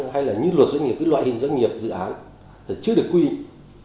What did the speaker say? hay là như luật doanh nghiệp cái loại hình doanh nghiệp dự án chưa được quy định